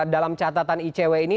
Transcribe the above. dalam catatan icw ini